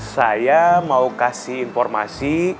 saya mau kasih informasi